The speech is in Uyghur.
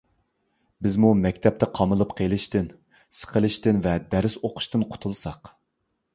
بىزمۇ مەكتەپتە قامىلىپ قېلىشتىن، سىقىلىشتىن ۋە دەرس ئوقۇشتىن قۇتۇلساق.